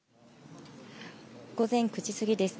午前９時過ぎです。